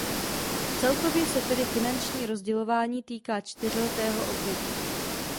Celkově se tedy finanční rozdělování týká čtyřletého období.